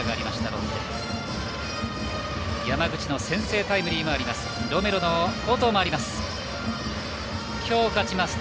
ロッテ山口の先制タイムリーもあります。